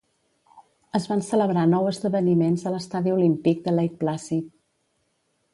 Es van celebrar nou esdeveniments a l'estadi Olímpic de Lake Placid.